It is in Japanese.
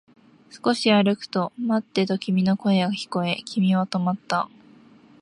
少し歩くと、待ってと君の声が聞こえ、君は止まった